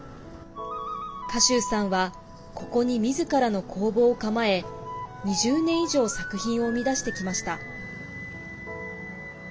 賀集さんは、ここにみずからの工房を構え２０年以上作品を生み出してきました。